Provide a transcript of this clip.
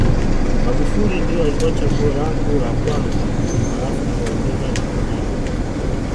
Magufuli ndio alikuwa chaguo langu la kwanza halafu nikaongeza na wengine